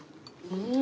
うん！